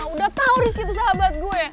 udah tau rizky itu sahabat gue